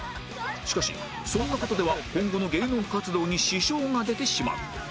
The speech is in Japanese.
しかしそんな事では今後の芸能活動に支障が出てしまう